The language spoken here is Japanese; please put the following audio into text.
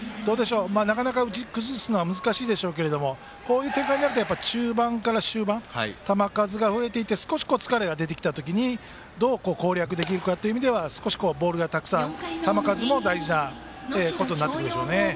なかなか打ち崩すのは難しいでしょうけどこういう展開になると中盤から終盤球数が増えてきて少し疲れが出てきた時にどう攻略できるかという意味では少しボールがたくさんあって球数も大事なことになってくるでしょうね。